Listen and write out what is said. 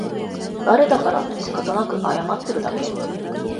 バレたからしかたなく謝ってるだけ